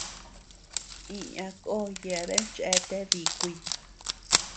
Iña koo yeabean cheate díkuy.